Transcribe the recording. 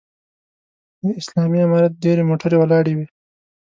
د اسلامي امارت ډېرې موټرې ولاړې وې.